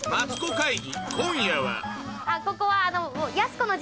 ここは。